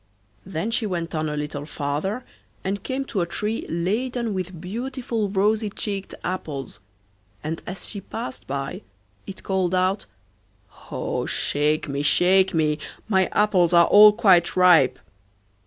Then she went on a little farther and came to a tree laden with beautiful rosy cheeked apples, and as she passed by it called out: 'Oh I shake me, shake me, my apples are all quite ripe.